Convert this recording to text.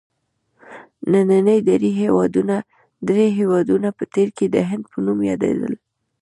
ننني درې هېوادونه په تېر کې د هند په نوم یادیدل.